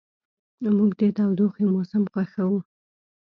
موږ د تودوخې موسم خوښوو.